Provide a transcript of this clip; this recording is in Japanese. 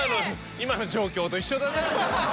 今の状況と一緒だな。